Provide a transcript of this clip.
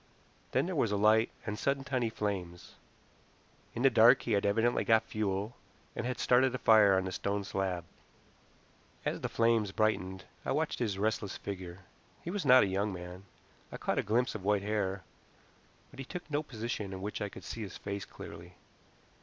Then there was a light and sudden tiny flames. In the dark he had evidently got fuel, and had started a fire on the stone slab. As the flames brightened I watched his restless figure. He was not a young man. I caught a glimpse of white hair, but he took no position in which I could see his face clearly.